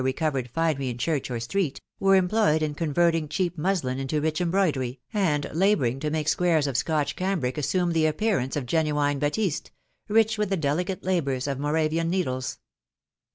recovered finery in church ox street, were employed in convert* ing cheap muslin into rich embroidery, and labouring to mnfct squares of Scotch cambric assume the appearance of genuine batiste, rich with the delicate labours of Moravian needles.